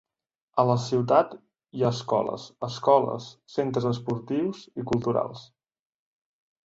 A la ciutat hi ha escoles, escoles, centres esportius i culturals.